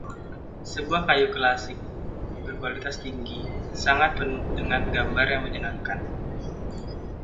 Sebuah kayu klasik berkualitas tinggi, sangat penuh dengan gambar yang menyenangkan.